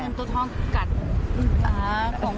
เงินตัวทองกัดของแม่